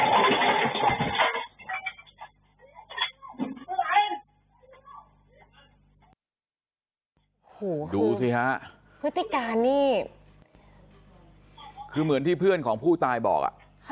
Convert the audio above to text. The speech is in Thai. โอ้โหดูสิฮะพฤติการนี่คือเหมือนที่เพื่อนของผู้ตายบอก